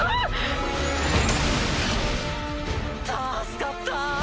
助かった！